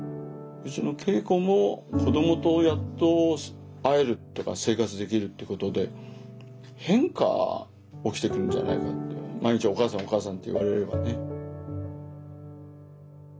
圭子も子どもとやっと会えるとか生活できるってことで変化起きてくるんじゃないかって毎日「お母さんお母さん」って言われればね。